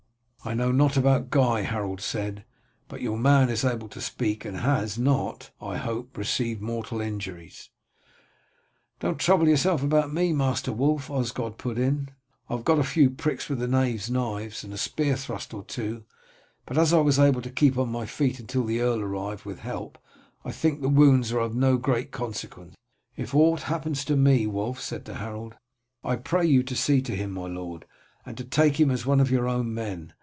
"I know not about Guy," Harold said, "but your man is able to speak, and has not, I hope, received mortal injuries." "Don't trouble yourself about me, Master Wulf," Osgod put in. "I have got a few pricks with the knaves' knives, and a spear thrust or two, but as I was able to keep on my feet until the earl arrived with help, I think the wounds are of no great consequence." "If aught happens to me," Wulf said to Harold, "I pray you to see to him, my lord, and to take him as one of your own men.